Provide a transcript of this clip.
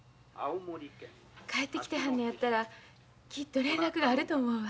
帰ってきてはるのやったらきっと連絡があると思うわ。